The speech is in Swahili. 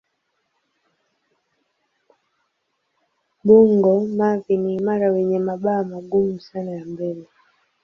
Bungo-mavi ni imara wenye mabawa magumu sana ya mbele.